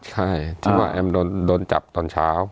ใช่ที่ว่าแอมโดนจับตอนเช้า